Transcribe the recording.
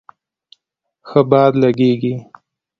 ښه باد لږیږی